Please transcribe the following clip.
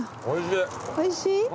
おいしい